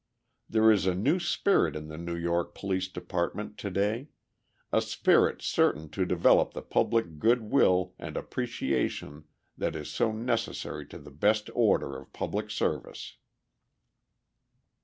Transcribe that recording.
There is a new spirit in the New York Police Department to day—a spirit certain to develop the public good will and appreciation that is so necessary to the best order of public service.